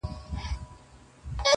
يو دی چي يې ستا په نوم آغاز دی~